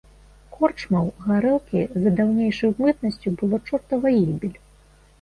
Корчмаў, гарэлкі за даўнейшую бытнасцю было чортава гібель.